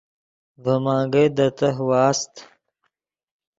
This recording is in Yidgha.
ڤے منگئے دے تہہ واست